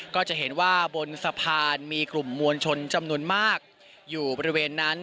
ก็จะเห็นว่าบนสะพานมีกลุ่มมวลชนจำนวนมากอยู่บริเวณนั้น